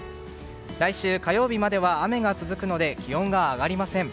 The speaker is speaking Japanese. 来週火曜日までは雨が続くので気温が上がりません。